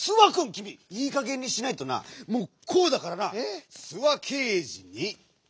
きみいいかげんにしないとなもうこうだからな！え？